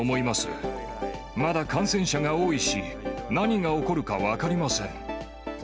まだ感染者が多いし、何が起こるか分かりません。